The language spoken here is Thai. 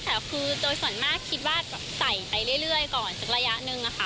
แต่คือโดยส่วนมากคิดว่าใส่ไปเรื่อยก่อนสักระยะหนึ่งค่ะ